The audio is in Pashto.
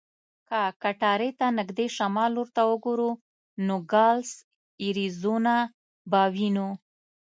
که کټارې ته نږدې شمال لور ته وګورو، نوګالس اریزونا به وینو.